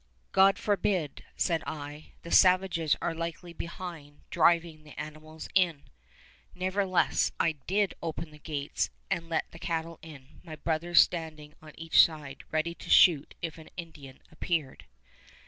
"God forbid," said I; "the savages are likely behind, driving the animals in." Nevertheless I did open the gates and let the cattle in, my brothers standing on each side, ready to shoot if an Indian appeared.